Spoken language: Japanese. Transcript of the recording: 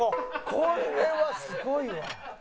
「これはすごいわ」